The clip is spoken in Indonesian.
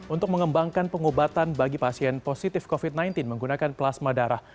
untuk mengembangkan pengobatan bagi pasien positif covid sembilan belas menggunakan plasma darah